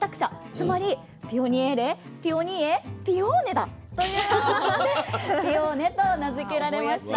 つまりピオニエーレピオニエピオーネだということでピオーネと名付けられました。